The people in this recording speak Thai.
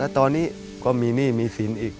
ตอนนี้ก็มีหนี้มีสินอีก